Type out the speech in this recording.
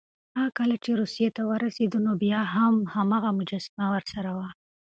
هغه کله چې روسيې ته ورسېد، نو بیا هم هماغه مجسمه ورسره وه.